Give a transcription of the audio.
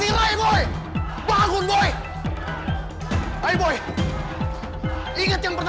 iya ambulansnya ada di depan